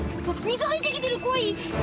水入ってきてます。